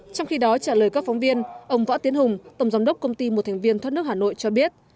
trong khi đó trả lời các phóng viên ông võ tiến hùng tổng giám đốc công ty một thành viên thoát nước hà nội cho biết